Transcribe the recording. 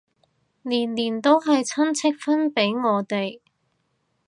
年年都係親戚分俾我哋